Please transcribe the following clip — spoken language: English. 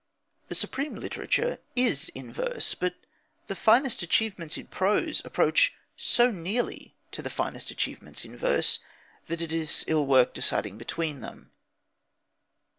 The supreme literature is in verse, but the finest achievements in prose approach so nearly to the finest achievements in verse that it is ill work deciding between them.